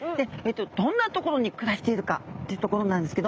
どんな所に暮らしているか？というところなんですけど。